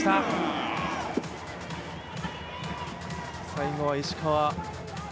最後は石川。